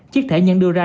chiếc thẻ nhân đưa ra